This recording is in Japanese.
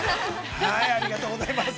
ありがとうございます。